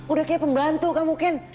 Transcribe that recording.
udah kayak pembantu kamu kan